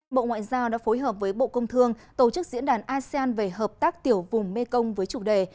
bộ ngoại giao đã phối hợp với bộ công thương tổ chức diễn đàn asean về hợp tác tiểu vùng mekong với chủ đề